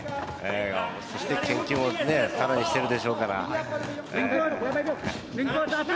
そして研究も更にしているでしょうから。